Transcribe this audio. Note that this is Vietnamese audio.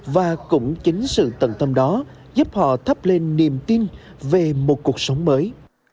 và cũng chính sự tận tâm đó giúp họ thắp lên niềm tin về một cuộc sống mới